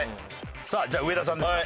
さあじゃあ上田さんですね。